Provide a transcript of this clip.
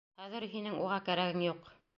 Хәҙер һинең уға кәрәгең юҡ!